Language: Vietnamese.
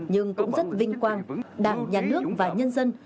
nhưng cũng rất vinh quang đảng nhà nước và nhân dân